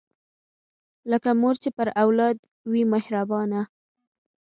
لکه مور چې پر اولاد وي مهربانه